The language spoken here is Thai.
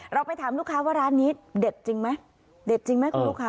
เราไปถามลูกค้าว่าร้านนี้เด็ดจริงไหม